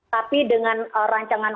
tapi dengan rancangan